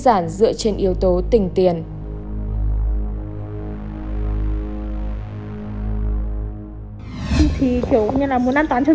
em đưa cho em năm triệu trước như là một sự tin tưởng thôi mà